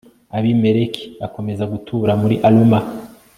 abimeleki akomeza gutura muri aruma